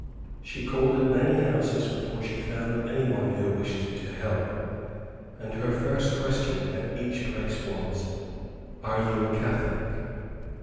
She called at many houses before she found any one who wished for help; and her first question at each place was, "Are you a Catholic?"